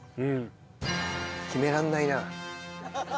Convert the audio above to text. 決めらんないな。